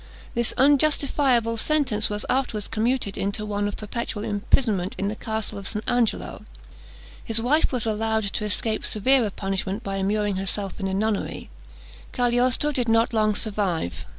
This unjustifiable sentence was afterwards commuted into one of perpetual imprisonment in the Castle of St. Angelo. His wife was allowed to escape severer punishment by immuring herself in a nunnery. Cagliostro did not long survive.